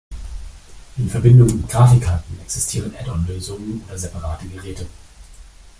In Verbindung mit Grafikkarten existieren Add-on-Lösungen oder separate Geräte.